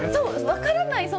分からない